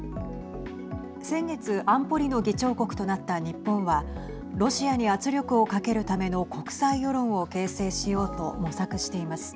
先月安保理の議長国となった日本はロシアに圧力をかけるための国際世論を形成しようと模索しています。